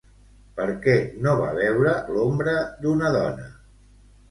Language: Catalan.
Per què no va veure l'ombra d'una dona?